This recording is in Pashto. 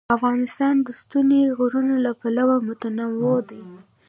افغانستان د ستوني غرونه له پلوه متنوع دی.